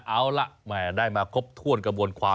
เอาล่ะแหมได้มาครบถ้วนกระบวนความ